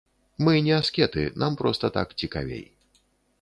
Мы не аскеты, нам проста так цікавей.